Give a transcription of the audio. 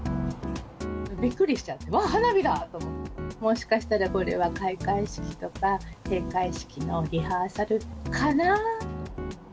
びっくりしちゃって、うわ、花火だ！と思って、もしかしたらこれは開会式とか、閉会式のリハーサルかな。